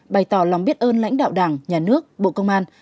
bày tỏ lòng biết ơn lãnh đạo đảng nhà nước bộ công an